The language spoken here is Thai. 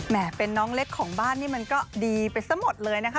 เป็นน้องเล็กของบ้านนี่มันก็ดีไปซะหมดเลยนะคะ